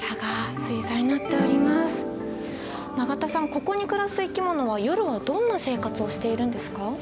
ここに暮らす生き物は夜はどんな生活をしているんですか？